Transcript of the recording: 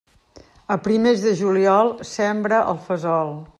A primers de juliol, sembra el fesol.